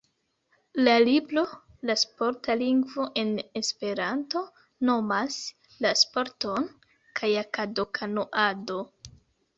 La libro "La sporta lingvo en Esperanto" nomas la sporton kajakado-kanuado.